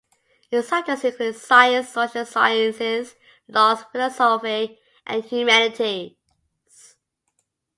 Its subjects include science, social sciences, laws, philosophy and humanities.